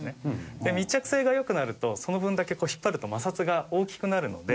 で密着性が良くなるとその分だけ引っ張ると摩擦が大きくなるので。